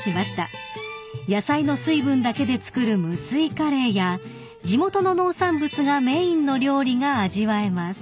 ［野菜の水分だけで作る無水カレーや地元の農産物がメインの料理が味わえます］